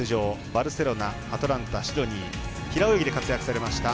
バルセロナアトランタ、シドニー平泳ぎで活躍されました